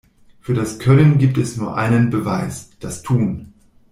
Für das Können gibt es nur einen Beweis: das Tun.